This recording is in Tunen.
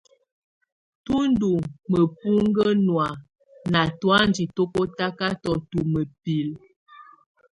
Tù ndù mǝpuŋkǝ nɔ̀á na tɔ̀anjɛ kɔtakatɔ tu mǝpilǝ.